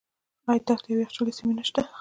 آیا دښتې او یخچالي سیمې نشته؟